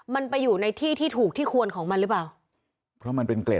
มันไปอยู่ในที่ที่ถูกที่ควรของมันหรือเปล่าเพราะมันเป็นเกล็ด